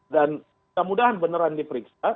dan kemudahan beneran diperiksa